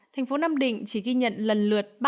tp nam định chỉ ghi nhận lần lượt